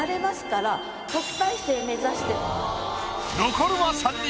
残るは三人。